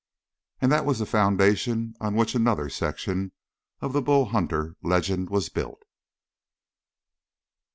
And that was the foundation on which another section of the Bull Hunter legend was built.